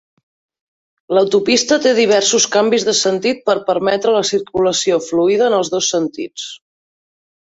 L'autopista té diversos canvis de sentit per permetre la circulació fluida en els dos sentits.